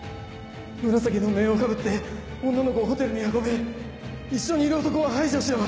「紫の面をかぶって女の子をホテルに運べ一緒にいる男は排除しろ」